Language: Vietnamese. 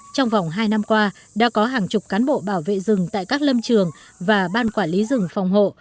trong vòng hai năm qua đã có hàng chục cán bộ bảo vệ rừng tại các lâm trường và ban quản lý rừng phòng hộ